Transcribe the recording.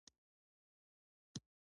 ګنجګل دره ښکلې ګورګوي لري